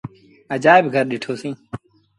اجآئيب گھر ڏٺو سيٚݩ۔